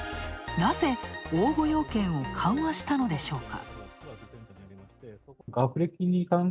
なぜ、応募要件を緩和したのでしょうか？